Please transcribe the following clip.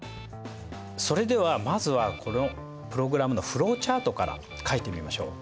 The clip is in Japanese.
それではまずはこのプログラムのフローチャートから書いてみましょう。